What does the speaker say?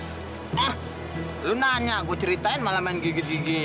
hah lu nanya gua ceritain malah main gigit gigit